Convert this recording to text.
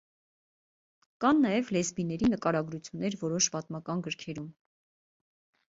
Կան նաև լեսբիների նկարագրություններ որոշ պատմական գրքերում։